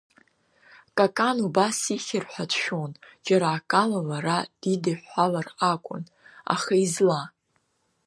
Какан убас ихьыр ҳәа дшәон, џьара акала лара дидиҳәалар акәын, аха изла?